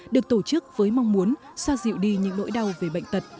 được tổ chức với mong muốn xoa dịu đi những nỗi đau về bệnh tật